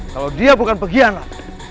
kalau dia bukan pengkhianat